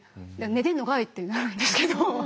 「寝てんのかい」ってなるんですけど。